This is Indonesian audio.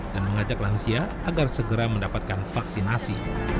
dan mengajak lansia agar segera mendapatkan vaksinasi